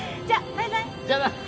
じゃあな。